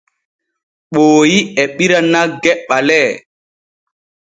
Ɓooyi e ɓira nagge ɓalee.